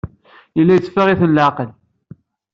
Yella yetteffeɣ-iten leɛqel.